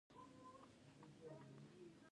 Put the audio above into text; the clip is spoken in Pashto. د کانونو وزارت شفافیت لري؟